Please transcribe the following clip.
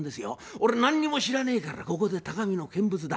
俺何にも知らねえからここで高みの見物だ。